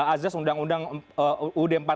aziz undang undang ud empat puluh lima